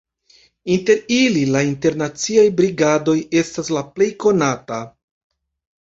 Inter ili la Internaciaj Brigadoj estas la plej konata.